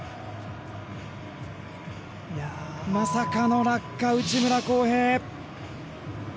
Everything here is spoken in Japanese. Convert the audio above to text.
まさかの落下、内村航平。